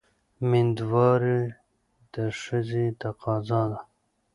مېندواري د ښځې تقاضا ده.